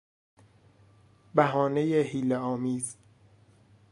بهانهی حیله آمیز